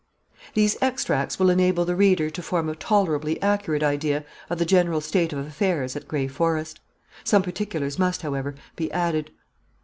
These extracts will enable the reader to form a tolerably accurate idea of the general state of affairs at Gray Forest. Some particulars must, however, be added.